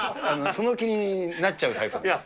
その気になっちゃうタイプなんです。